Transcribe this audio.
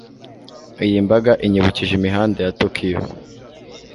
Iyi mbaga inyibukije imihanda ya Tokiyo.